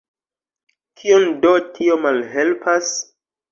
Kion do tio malhelpas?